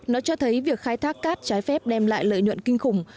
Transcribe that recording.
nó cho thấy việc khai thác cát trái phép đem lại lợi nhuận kinh khủng